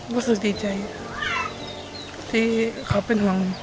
รู้สึกดีใจที่เขาเป็นห่วง